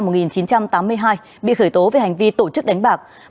bị can nguyễn minh toàn sinh năm hai nghìn hai bị khởi tố về hành vi tổ chức đánh bạc